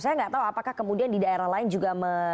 saya nggak tahu apakah kemudian di daerah lain juga